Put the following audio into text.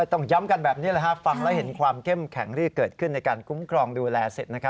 ต้องย้ำกันแบบนี้ฟังแล้วเห็นความเข้มแข็งที่เกิดขึ้นในการคุ้มครองดูแลเสร็จ